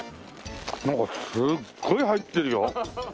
なんかすっごい入ってるよ。